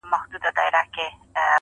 o د نورو هغې نيمه، د انا دا يوه نيمه!